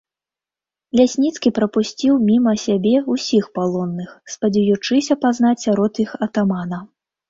Лясніцкі прапусціў міма сябе ўсіх палонных, спадзеючыся пазнаць сярод іх атамана.